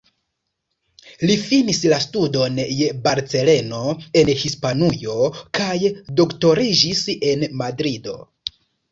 Li finis la studon je Barcelono en Hispanujo kaj doktoriĝis en Madrido.